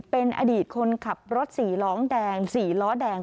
เป็นอดีตคนขับรถสี่ล้อแดง๔ล้อแดง